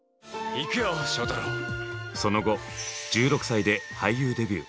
その後１６歳で俳優デビュー。